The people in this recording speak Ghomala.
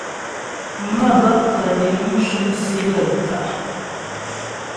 Mə́gɔp kə̂ liŋ shʉm sì gaə́ cwâ'a.